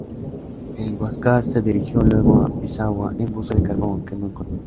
El "Huáscar" se dirigió luego a Pisagua en busca de carbón que no encontró.